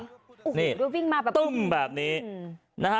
อุ้โหดูวิ่งมาแบบปุ้ม